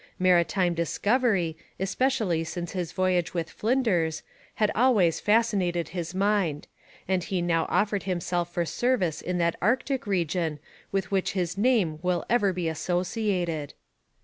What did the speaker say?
Maritime discovery, especially since his voyage with Flinders, had always fascinated his mind, and he now offered himself for service in that Arctic region with which his name will ever be associated.